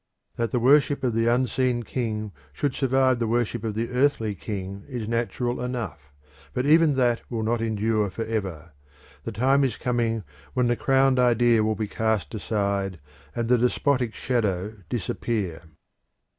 That the worship of the unseen king should survive the worship of the earthly king is natural enough, but even that will not endure for ever; the time is coming when the crowned idea will be cast aside and the despotic shadow disappear.